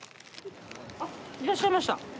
あっいらっしゃいました。